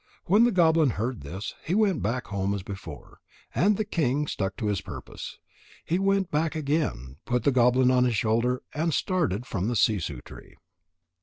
When the goblin heard this, he went back home as before. And the king stuck to his purpose. He went back again, put the goblin on his shoulder, and started from the sissoo tree.